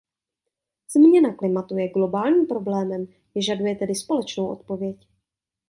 Změna klimatu je globálním problémem, vyžaduje tedy společnou odpověď.